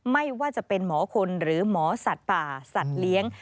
ไม่ว่าจะเป็นหมอคนหรือหมอสัตว์ป่าสัตว์เลี้ยง